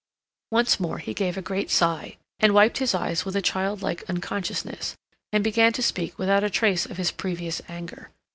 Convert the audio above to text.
Once more he gave a great sigh, and wiped his eyes with a childlike unconsciousness, and began to speak without a trace of his previous anger.